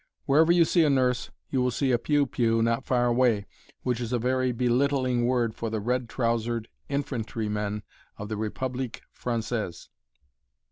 Wherever you see a nurse, you will see a "piou piou" not far away, which is a very belittling word for the red trousered infantryman of the République Française.